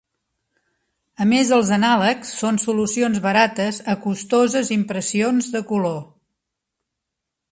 A més els anàlegs són solucions barates a costoses impressions de color.